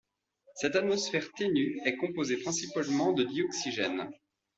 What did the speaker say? Cette atmosphère ténue est composée principalement de dioxygène.